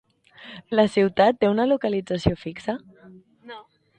La ciutat té una localització fixa?